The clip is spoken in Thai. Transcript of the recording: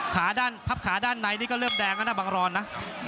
ขาด้านพับขาด้านในนี่ก็เริ่มแดงนะบังร้อนนะ